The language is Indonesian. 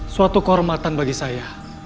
suatu kehormatan bagi saya